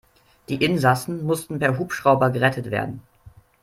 Die Insassen mussten per Hubschrauber gerettet werden.